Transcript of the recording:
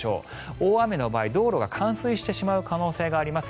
大雨の場合道路が冠水してしまう可能性があります。